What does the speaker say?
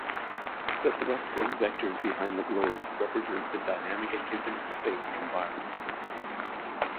The thrusts and vectors behind the globe represent the dynamic and infinite space environment.